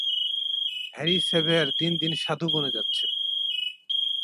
Harry সেভেয়ার দিন দিন সাধু বনে যাচ্ছে।